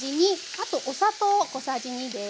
あとお砂糖小さじ２です。